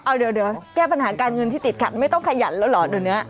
เอาเดี๋ยวแก้ปัญหาการเงินที่ติดขัดไม่ต้องขยันแล้วเหรอเดี๋ยวนี้